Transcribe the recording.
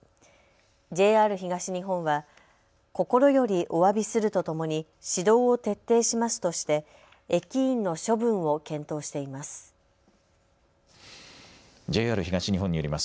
ＪＲ東日本は心よりおわびするとともに指導を徹底しますとして駅員の処分を検討しています。